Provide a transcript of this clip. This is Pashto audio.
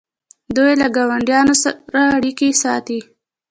دوی له ګاونډیانو سره اړیکې ساتي.